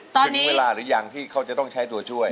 ถึงเวลาหรือยังที่เขาจะต้องใช้ตัวช่วย